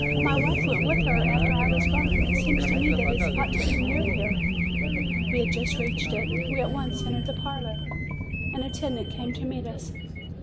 "My wife went with her after I was gone. It seems to me that it ought to be near here." We had just reached it. We at once entered the parlor. An attendent came to meet us.